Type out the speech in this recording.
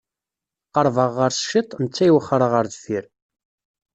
Qerrbeɣ ɣer-s ciṭ, netta iwexxer ɣer deffir.